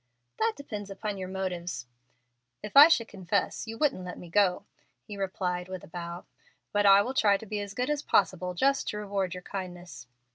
"That depends upon your motives." "If I should confess you wouldn't let me go," he replied with a bow. "But I will try to be as good as possible, just to reward your kindness."